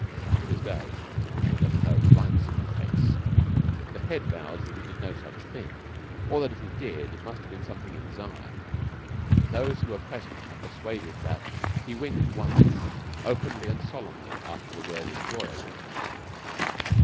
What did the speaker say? To this day we shall never know the rights of the case. The Head vows that he did no such thing; or that, if he did, it must have been something in his eye; but those who were present are persuaded that he winked, once, openly and solemnly, after the word "enjoyable."